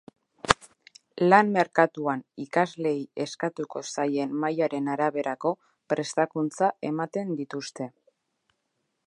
Lan-merkatuan ikasleei eskatuko zaien mailaren araberako prestakuntza ematen dituzte.